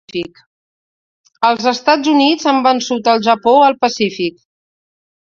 Els Estats Units han vençut el Japó al Pacífic.